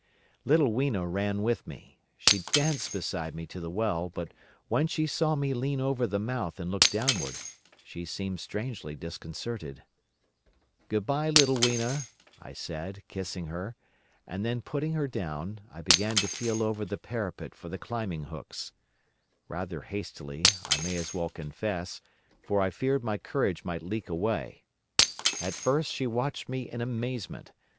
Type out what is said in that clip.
"Little Weena ran with me. She danced beside me to the well, but when she saw me lean over the mouth and look downward, she seemed strangely disconcerted. 'Good bye, little Weena,' I said, kissing her; and then putting her down, I began to feel over the parapet for the climbing hooks. Rather hastily, I may as well confess, for I feared my courage might leak away! At first she watched me in amazement.